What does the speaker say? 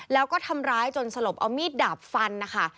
แล้วก็ทำร้ายจนสลบเอามีดดาบฟันนะคะ